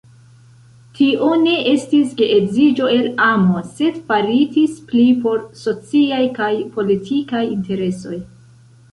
Tio ne estis geedziĝo el amo, sed faritis pli por sociaj kaj politikaj interesoj.